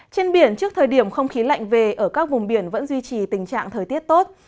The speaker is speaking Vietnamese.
trên biển trước thời điểm không khí lạnh về ở các vùng biển vẫn duy trì tình trạng thời tiết tốt